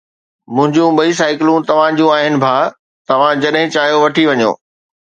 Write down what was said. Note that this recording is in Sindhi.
منهنجون ٻئي سائيڪلون توهان جون آهن ڀاءُ، توهان جڏهن چاهيو وٺي وڃو